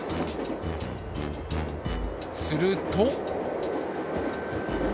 すると。